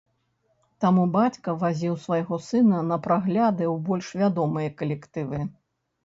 Таму бацька вазіў свайго сына на прагляды ў больш вядомыя калектывы.